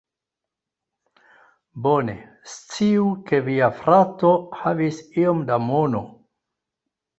Bone, sciu ke via frato havis iom da mono